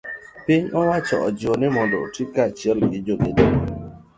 Piny owacho ojiw ni mondo oti kanachiel gi jogedo go.